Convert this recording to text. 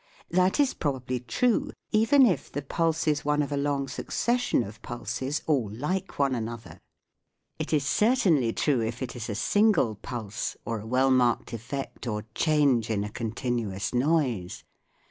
That is probably true even if the pulse is one of a long succession of pulses all like one another. SOUNDS OF THE SEA 155 It is certainly true if it is a single pulse or a well marked effect or change in a continuous noise.